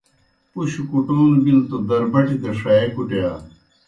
پُشوْ کُٹون بِلوْ تو دربٹیْ دہ ݜیے کُٹِیا